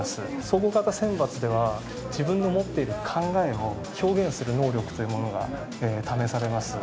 総合型選抜では自分の持っている考えを表現する能力というものが試されます。